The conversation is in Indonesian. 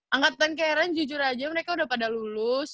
angkatan karen jujur aja mereka udah pada lulus